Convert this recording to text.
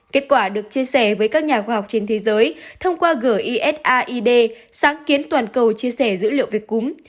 kết quả được chia sẻ với các nhà khoa học trên thế giới thông qua gisad sáng kiến toàn cầu chia sẻ dữ liệu về cúm